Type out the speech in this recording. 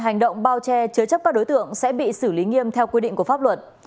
hành động bao che chứa chấp các đối tượng sẽ bị xử lý nghiêm theo quy định của pháp luật